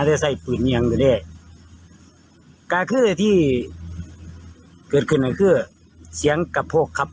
ได้ใส่ปืนอย่างนี้กาคือที่เกิดขึ้นกันคือเสียงกระโพกครับ